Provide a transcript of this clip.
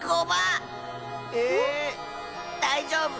えっ⁉だいじょうぶ。